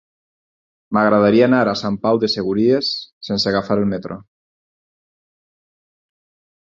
M'agradaria anar a Sant Pau de Segúries sense agafar el metro.